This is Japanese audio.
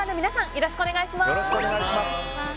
よろしくお願いします。